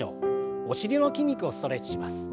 お尻の筋肉をストレッチします。